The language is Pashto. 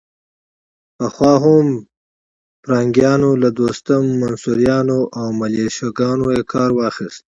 پخوا هم پرنګیانو له دوستم، منصوریانو او ملیشه ګانو کار واخيست.